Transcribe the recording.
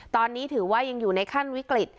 ตอนนี้ถือว่ายังอยู่ในขั้นวิกฤต